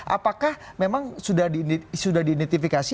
apakah memang sudah diidentifikasi